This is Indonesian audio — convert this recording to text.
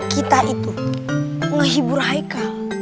kita itu ngehibur haikal